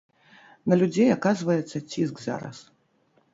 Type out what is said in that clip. На людзей аказваецца ціск зараз.